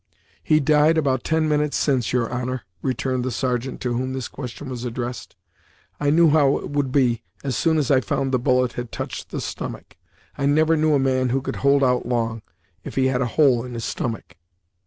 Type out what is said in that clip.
"He died about ten minutes since, your honor," returned the sergeant to whom this question was addressed. "I knew how it would be, as soon as I found the bullet had touched the stomach. I never knew a man who could hold out long, if he had a hole in his stomach."